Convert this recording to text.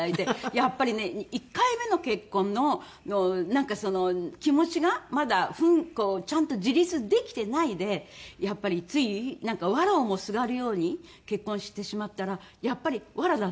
やっぱりね１回目の結婚のなんか気持ちがまだちゃんと自立できてないでやっぱりつい藁をもすがるように結婚してしまったらやっぱり藁だったんですね。